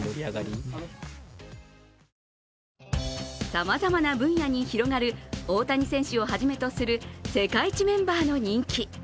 さまざまな分野に広がる大谷選手をはじめとする世界一メンバーの人気。